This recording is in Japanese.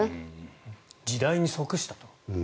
時代に即したと。